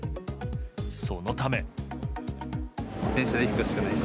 そのため。